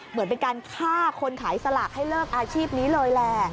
เหมือนเป็นการฆ่าคนขายสลากให้เลิกอาชีพนี้เลยแหละ